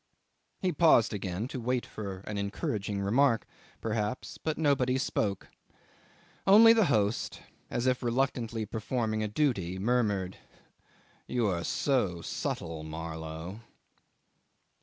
...' He paused again to wait for an encouraging remark, perhaps, but nobody spoke; only the host, as if reluctantly performing a duty, murmured 'You are so subtle, Marlow.